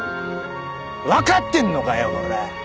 わかってんのかよコラ！